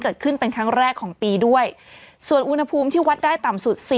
เกิดขึ้นเป็นครั้งแรกของปีด้วยส่วนอุณหภูมิที่วัดได้ต่ำสุด